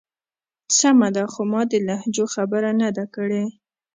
سمه ده. خو ما د لهجو خبره نه ده کړی.